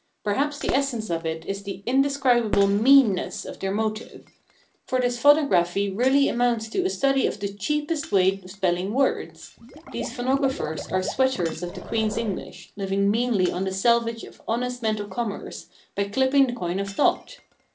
Perhaps the essence of it is the indescribable meanness of their motive. For this phonography really amounts to a study of the cheapest way of spelling words. These phonographers are sweaters of the Queen's English, living meanly on the selvage of honest mental commerce by clipping the coin of thought.